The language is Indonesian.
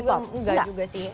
oh gak juga sih